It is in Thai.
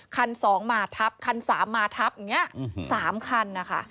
คันสองมาทับคันสามมาทับอย่างนี้๓คัน